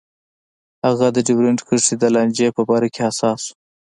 هغه د ډیورنډ کرښې د لانجې په باره کې حساس و.